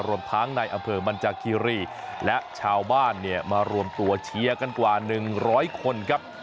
รวมทางในอำเภอบรรจาคีรีและชาวบ้านมารวมตัวเชียร์กันกว่าหนึ่งร้อยคนครับ